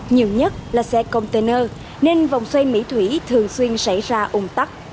nhiều nhất là xe container nên vòng xoay mỹ thủy thường xuyên xảy ra ủng tắc